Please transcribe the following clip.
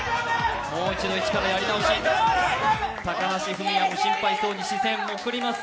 もう一度、いちからやり直し、高橋文哉も心配そうに視線を振ります。